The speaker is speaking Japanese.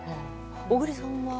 小栗さんは？